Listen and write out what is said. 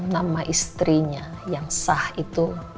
nama istrinya yang sah itu